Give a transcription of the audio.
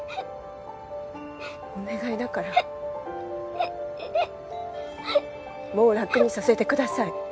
お願いだからもう楽にさせてください。